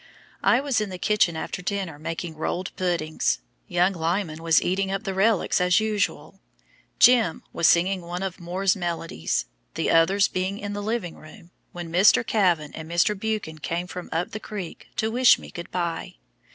I was in the kitchen after dinner making rolled puddings, young Lyman was eating up the relics as usual, "Jim" was singing one of Moore's melodies, the others being in the living room, when Mr. Kavan and Mr. Buchan came from "up the creek" to wish me good bye.